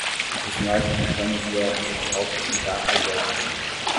Os norte-africanos vieram do Marrocos e da Argélia.